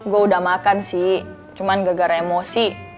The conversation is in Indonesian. gue udah makan sih cuman gara gara emosi